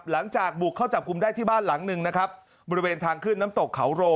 หลังจากบุกเข้าจับกลุ่มได้ที่บ้านหลังหนึ่งนะครับบริเวณทางขึ้นน้ำตกเขาโร